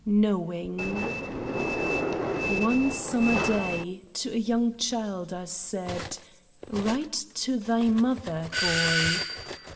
KNOWING One summer day, to a young child I said, '^ Write to thy mother, boy."